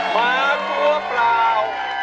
มากลัวเปล่า